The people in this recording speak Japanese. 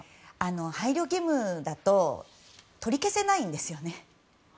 配慮義務だと取り消せないんですよね。